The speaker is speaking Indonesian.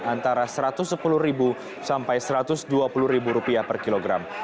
antara satu ratus sepuluh ribu sampai satu ratus dua puluh ribu rupiah per kilogram